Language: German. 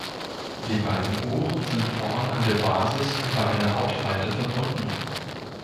Die beiden Ohren sind vorn an der Basis über eine Hautfalte verbunden.